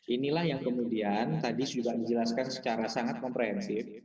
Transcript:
inilah yang kemudian tadi sudah dijelaskan secara sangat komprehensif